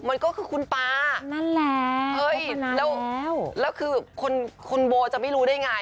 มันก็คือคุณป๊านั่นแหละแล้วคือคุณโบจะไม่รู้ได้ไง